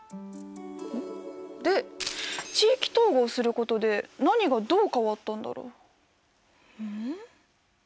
ん？で地域統合することで何がどう変わったんだろう？ん？